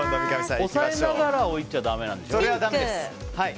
押さえながら置いちゃだめなんでしょ？